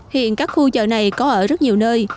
hiện các khu chợ này có ở rất nhiều nơi